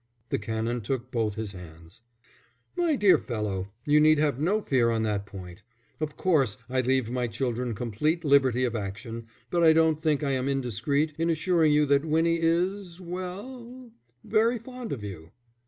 The Canon took both his hands. "My dear fellow, you need have no fear on that point. Of course, I leave my children complete liberty of action, but I don't think I am indiscreet in assuring you that Winnie is well, very fond of you."